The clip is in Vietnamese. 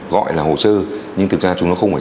gọi là hồ sơ nhưng thực ra chúng nó không phải